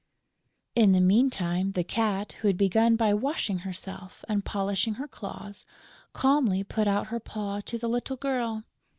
In the meantime, the Cat, who had begun by washing herself and polishing her claws, calmly put out her paw to the little girl.